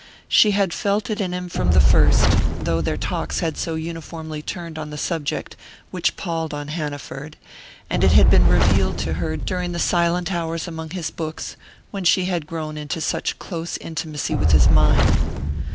She had felt it in him from the first, though their talks had so uniformly turned on the subject which palled on Hanaford; and it had been revealed to her during the silent hours among his books, when she had grown into such close intimacy with his mind.